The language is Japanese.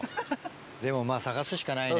でもまぁ探すしかないね。